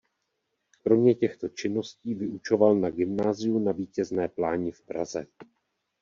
Kromě těchto činností vyučoval na gymnáziu Na Vítězné pláni v Praze.